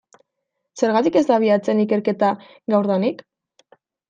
Zergatik ez da abiatzen ikerketa gaurdanik?